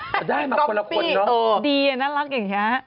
พี่โอ้ดีนะรักอย่างเนี้ย